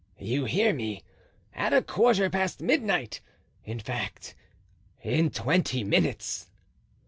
"You hear me—at a quarter past midnight—in fact, in twenty minutes."